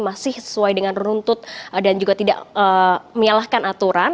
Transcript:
masih sesuai dengan runtut dan juga tidak menyalahkan aturan